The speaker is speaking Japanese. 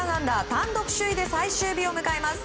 単独首位で最終日を迎えます。